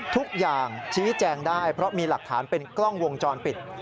ชี้แจงได้เพราะมีหลักฐานเป็นกล้องวงจรปิด